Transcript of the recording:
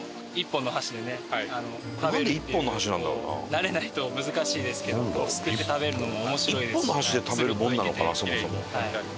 慣れないと難しいですけどすくって食べるのも面白いですしツルッといけて。